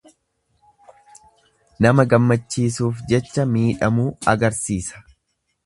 Nama gammachiisuuf jecha miidhamuu agarsiisa.